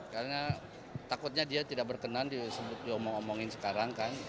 karena takutnya dia tidak berkenan disebutnya omong omongin sekarang kan